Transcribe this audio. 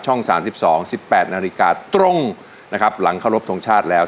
๓๒๑๘นาฬิกาตรงนะครับหลังเคารพทงชาติแล้ว